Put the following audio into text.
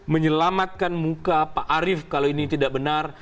menyelamatkan muka pak arief kalau ini tidak benar